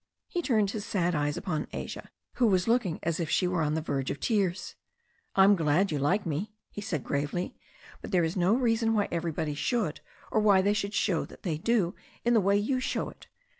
He turned his sad eyes upon Asia, who was looking as if she were on the verge of tears. "I'm glad you like me," he said gravely. "But that is no reason why everybody should, or why they should show that they do in the way you show it.